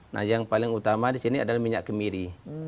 nah yang paling utama di sini adalah minyak kemiri